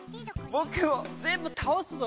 僕も全部倒すぞ！